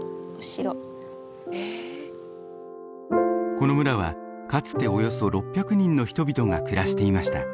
この村はかつておよそ６００人の人々が暮らしていました。